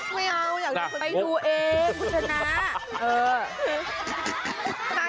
ไม่เอาไปดูเองคุณธนา